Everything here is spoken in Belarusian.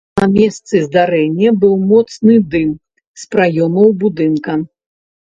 На месцы здарэння быў моцны дым з праёмаў будынка.